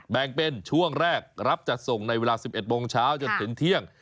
แบ่งเป็นช่วงแรกรับจัดส่งในเวลา๑๑โมงเช้าจนถึงเที่ยง